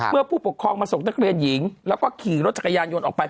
ผู้ปกครองมาส่งนักเรียนหญิงแล้วก็ขี่รถจักรยานยนต์ออกไป